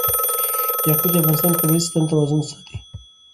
یاقوت د افغانستان د طبعي سیسټم توازن ساتي.